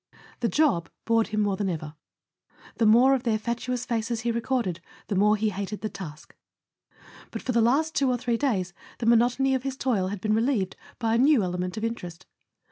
The job bored him more than ever; the more of their fatuous faces he recorded the more he hated the task; but for the last two or three days the monotony of his toil had been relieved by a new element of interest.